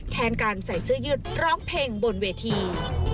แทนการใส่เสื้อยืดร้องเพลงบนเวที